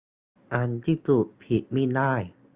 อันพิสูจน์ผิดมิได้